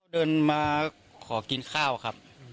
เดินมาขอกินข้าวครับ